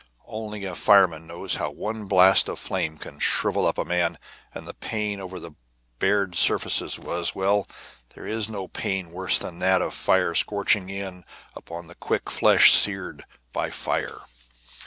Only a fireman knows how one blast of flame can shrivel up a man, and the pain over the bared surfaces was well, there is no pain worse than that of fire scorching in upon the quick flesh seared by fire.